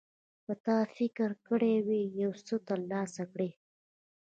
که تا فکر کړی وي چې یو څه ترلاسه کړې.